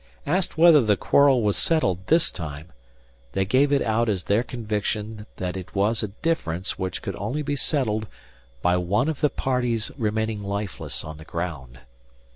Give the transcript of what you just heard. Asked whether the quarrel was settled this time, they gave it out as their conviction that it was a difference which could only be settled by one of the parties remaining lifeless on the ground.